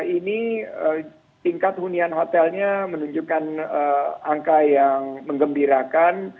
ini tingkat hunian hotelnya menunjukkan angka yang mengembirakan